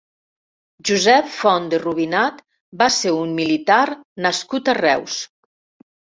Josep Font de Rubinat va ser un militar nascut a Reus.